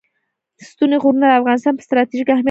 ستوني غرونه د افغانستان په ستراتیژیک اهمیت کې رول لري.